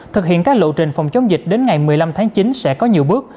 thực hiện các lộ trình phòng chống dịch đến ngày một mươi năm tháng chín sẽ có nhiều bước